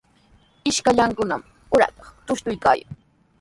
Ishkallankunami uratraw tushuykaayan.